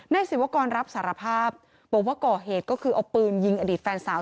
ศิวากรรับสารภาพบอกว่าก่อเหตุก็คือเอาปืนยิงอดีตแฟนสาว